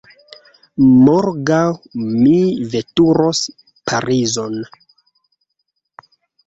Morgaŭ mi veturos Parizon.